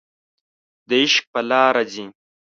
د عشق په لاره ځي